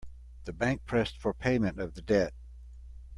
The bank pressed for payment of the debt.